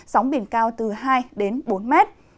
sóng biển cao từ hai đến bốn mét